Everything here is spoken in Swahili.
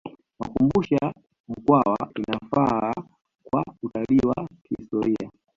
makumbusho ya mkwawa inafaa kwa utalii wa kihistoria